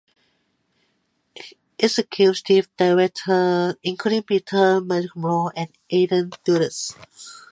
Executive Directors included Mr Michelmore and Alan Dundas.